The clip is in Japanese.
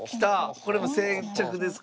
これも先着ですか？